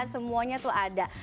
semuanya tuh ada